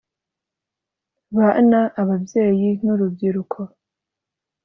bana ababyeyi n urubyiruko